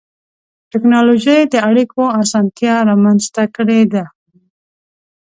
ټکنالوجي د اړیکو اسانتیا رامنځته کړې ده.